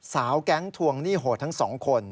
แก๊งทวงหนี้โหดทั้งสองคน